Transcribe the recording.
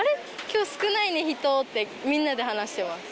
きょう少ないね、人ってみんなで話してます。